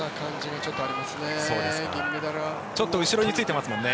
ちょっと後ろについてますもんね。